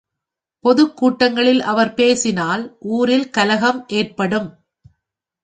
பொதுக் கூட்டங்களில் அவர் பேசினால் ஊரில் கலகம் ஏற்படும்.